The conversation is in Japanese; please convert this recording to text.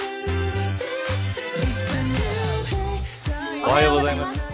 おはようございます。